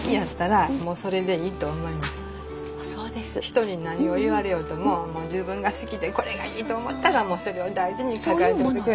人に何を言われようともう自分が好きでこれがいいと思ったらそれを大事に抱えてくれたらいいんです。